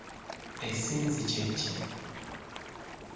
Essinzi kye ki?